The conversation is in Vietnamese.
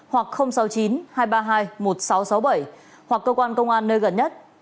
hoặc cơ quan công an nơi gần nhất